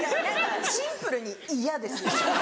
シンプルに嫌です。